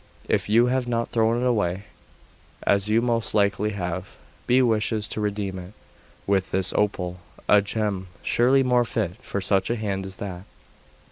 If you have not thrown it away, as you most likely have, he wishes to redeem it with this opal.... a gem surely more fit for such a hand as that.